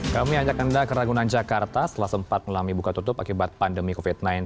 kami ajak anda ke ragunan jakarta setelah sempat melami buka tutup akibat pandemi covid sembilan belas